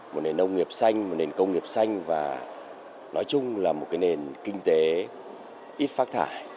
một nền nông nghiệp xanh một nền công nghiệp xanh và nói chung là một nền kinh tế ít phát thải